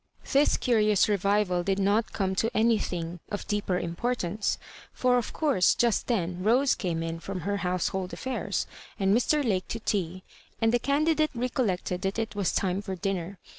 This curious. revival did not come to anything of deeper importance, for of course just then Rose came in from her household affairs, and Mr. Lake to tea; and the candidate recollected that it was time for dinner.